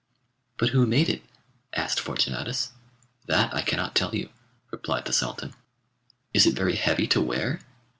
'But who made it?' asked Fortunatus. 'That I cannot tell you,' replied the Sultan. 'Is it very heavy to wear?